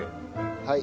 はい。